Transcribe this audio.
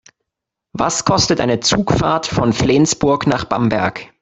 Was kostet eine Zugfahrt von Flensburg nach Bamberg?